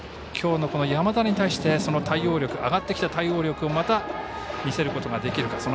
きょうの山田に対して上がってきた対応力をまた見せることができるか。